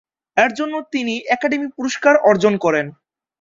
এর জন্য তিনি একাডেমি পুরস্কার অর্জন করেন।